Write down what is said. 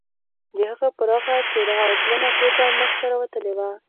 د هغه پراخه څیره او پلنه پوزه مخ ته راوتلې وه